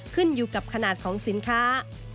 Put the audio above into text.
ขึ้นอยู่กับขนาดของสินค้า